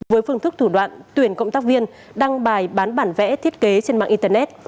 với phương thức thủ đoạn tuyển cộng tác viên đăng bài bán bản vẽ thiết kế trên mạng internet